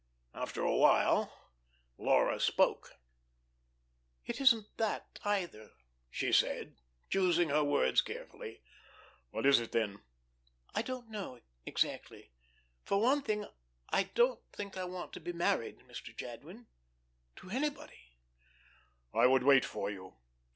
After a while Laura spoke. "It isn't that either," she said, choosing her words carefully. "What is it, then?" "I don't know exactly. For one thing, I don't think I want to be married, Mr. Jadwin to anybody." "I would wait for you."